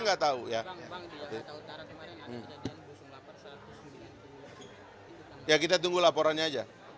bang di jakarta utara kemarin ada kejadian gosong lapar selama sembilan belas jam